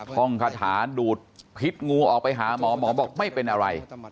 ห้องคาถาดูดพิษงูออกไปหาหมอหมอบอกไม่เป็นอะไร